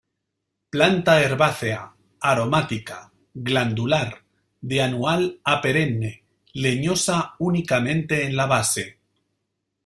Planta herbácea, aromática, glandular, de anual a perenne, leñosa únicamente en la base.